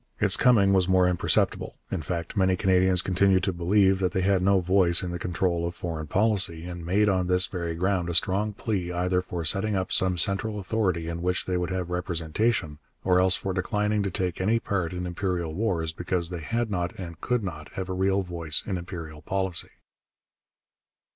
Its coming was more imperceptible; in fact, many Canadians continued to believe that they had no voice in the control of foreign policy, and made on this very ground a strong plea either for setting up some central authority in which they would have representation, or else for declining to take any part in imperial wars because they had not and could not have a real voice in imperial policy.